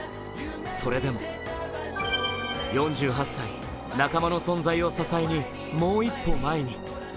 それでも４８歳、仲間の存在を支えにもう一歩前に。